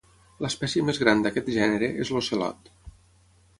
L'espècie més gran d'aquest gènere és l'Ocelot.